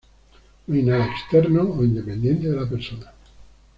No hay nada externo o independiente de la persona.